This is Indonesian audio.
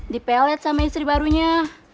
dipelet sama istri barunya